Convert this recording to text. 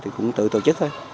thì cũng tự tổ chức thôi